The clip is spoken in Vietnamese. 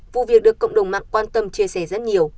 vụ việc được cộng đồng mạng quan tâm chia sẻ rất nhiều